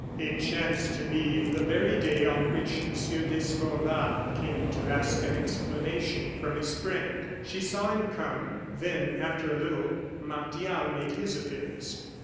It chanced to be the very day on which M. d'Escorval came to ask an explanation from his friend. She saw him come; then, after a little, Martial made his appearance.